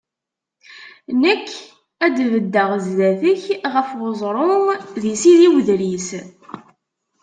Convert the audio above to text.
Nekk ad d-beddeɣ zdat-k ɣef weẓru, di Sidi Udris.